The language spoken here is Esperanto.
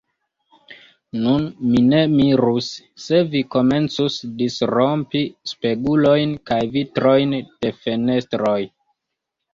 Nun mi ne mirus, se vi komencus disrompi spegulojn kaj vitrojn de fenestroj.